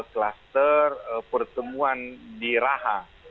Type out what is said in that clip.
cluster pertemuan diraha